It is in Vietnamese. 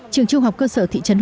trường trung học cơ sở thị trấn hồ